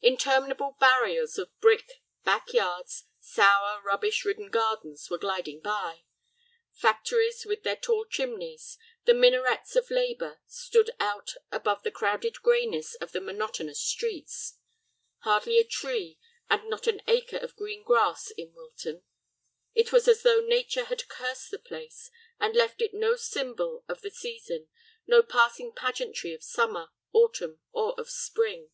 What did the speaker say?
Interminable barriers of brick, back yards, sour, rubbish ridden gardens were gliding by. Factories with their tall chimneys, the minarets of labor, stood out above the crowded grayness of the monotonous streets. Hardly a tree, and not an acre of green grass, in Wilton. It was as though nature had cursed the place, and left it no symbol of the season, no passing pageantry of summer, autumn, or of spring.